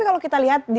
tapi kalau kita lihat di